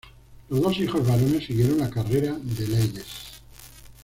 Los dos hijos varones siguieron la carrera de Leyes.